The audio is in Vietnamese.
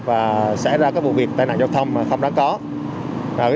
và xảy ra các vụ việc tài nạn giao thông không đáng có